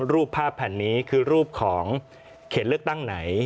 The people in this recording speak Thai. รูปภาพแผ่นนี้คือรูปของเขตเลือกตั้งไหน